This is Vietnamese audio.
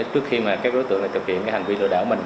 trước khi mà các đối tượng thực hiện hành vi lừa đảo của mình